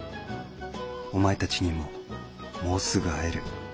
お前たちにももうすぐ会える。